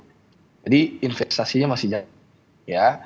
jadi investasinya masih jangka